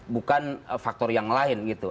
bukan faktor yang lain gitu